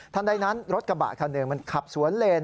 ท่านใดนั้นรถกระบะท่านเดิมมันขับสวนเลน